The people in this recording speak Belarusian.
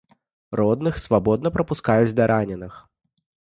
Родных свабодна прапускаюць да раненых.